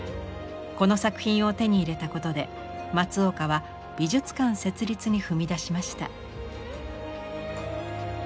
この作品を手に入れたことで松岡は美術館設立に踏み出しました。